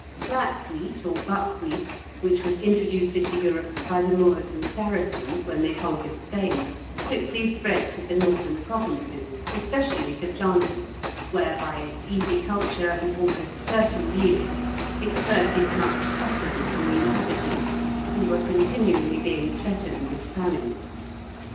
Black wheat, or buck wheat, which was introduced into Europe by the Moors and Saracens when they conquered Spain, quickly spread to the northern provinces, especially to Flanders, where, by its easy culture and almost certain yield, it averted much suffering from the inhabitants, who were continually being threatened with famine.